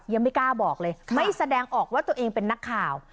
ยังไม่กล้าบอกเลยไม่แสดงออกว่าตัวเองเป็นนักข่าว